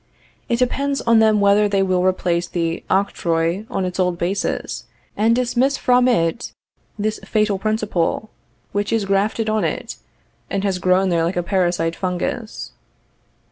It depends on them whether they will replace the octroi on its old basis, and dismiss from it this fatal principle, which is grafted on it, and has grown there like a parasite fungus.